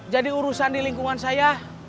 jadi urusan di lingkungan saya